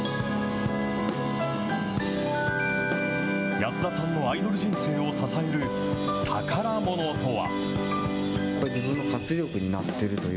安田さんのアイドル人生を支える宝ものとは。